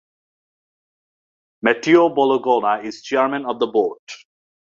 Matteo Bologna is chairman of the board.